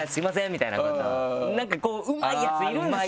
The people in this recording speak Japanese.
みたいななんかこううまいやついるんですよ！